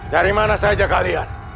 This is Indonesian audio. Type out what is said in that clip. dari mana saja kalian